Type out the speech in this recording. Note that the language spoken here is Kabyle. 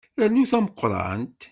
Rnu tameqqrant.